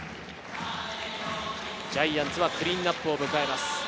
ジャイアンツはクリーンナップを迎えます。